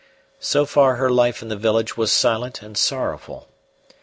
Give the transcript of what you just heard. So far her life in the village was silent and sorrowful.